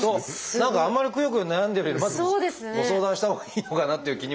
何かあんまりくよくよ悩んでるよりまずご相談したほうがいいのかなっていう気にはなりますが。